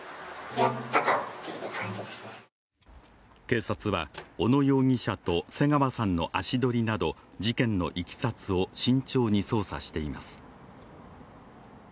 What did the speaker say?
警察は、小野容疑者と瀬川さんの足取りなど事件のいきさつを慎重に捜査しています。